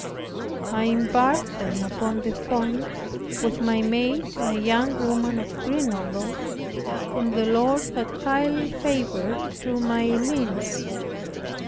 I embarked then upon the Rhone, with my maid and a young woman of Grenoble, whom the Lord has highly favored through my means.